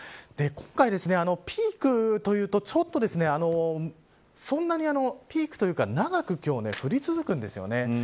今回、ピークというとそんなにピークというか長く降り続くんですよね。